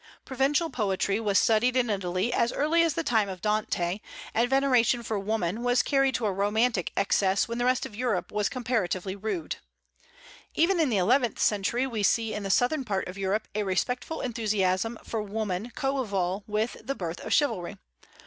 Provençal poetry was studied in Italy as early as the time of Dante; and veneration for woman was carried to a romantic excess when the rest of Europe was comparatively rude. Even in the eleventh century we see in the southern part of Europe a respectful enthusiasm for woman coeval with the birth of chivalry.